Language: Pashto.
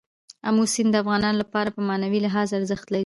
آمو سیند د افغانانو لپاره په معنوي لحاظ ارزښت لري.